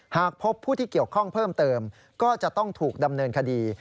หากพบผู้ที่เกี่ยวข้องเพิ่มเติมก็จะต้องถูกดำเนินคดี